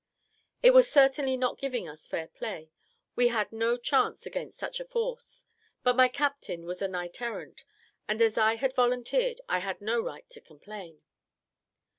It was certainly not giving us fair play; we had no chance against such a force; but my captain was a knight errant, and as I had volunteered, I had no right to complain.